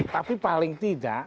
tapi paling tidak